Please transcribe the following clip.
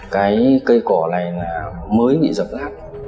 cái cây cỏ này là mới bị dập lát